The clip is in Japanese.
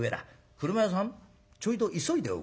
『車屋さんちょいと急いでおくれ。